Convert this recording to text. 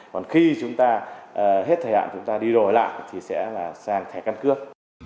còn khi chúng ta hết thời hạn chúng ta đi đổi lại thì sẽ là sang thẻ căn cước